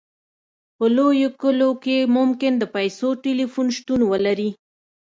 په لویو کلیو کې ممکن د پیسو ټیلیفون شتون ولري